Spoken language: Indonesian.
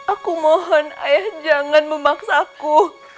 aku mohon ayah jangan memaksaku